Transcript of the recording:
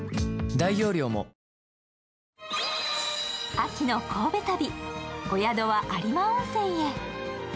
秋の神戸旅、お宿は有馬温泉へ。